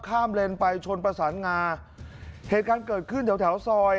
เลนไปชนประสานงาเหตุการณ์เกิดขึ้นแถวแถวซอย